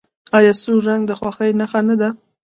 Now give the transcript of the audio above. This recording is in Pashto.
آیا سور رنګ د خوښۍ نښه نه ده؟